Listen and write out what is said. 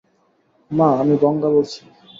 মা, আমি গঙা বলছি।